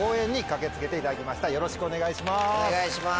よろしくお願いします。